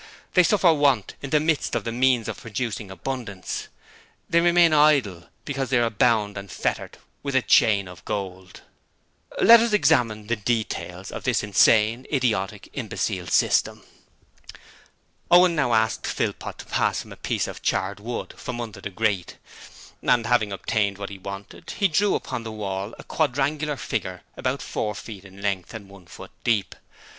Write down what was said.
They suffer want in the midst of the means of producing abundance. They remain idle because they are bound and fettered with a chain of gold. 'Let us examine the details of this insane, idiotic, imbecile system.' Owen now asked Philpot to pass him a piece of charred wood from under the grate, and having obtained what he wanted, he drew upon the wall a quadrangular figure about four feet in length and one foot deep.